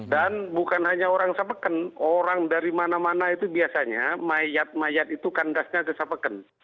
bukan hanya orang sapeken orang dari mana mana itu biasanya mayat mayat itu kandasnya desa peken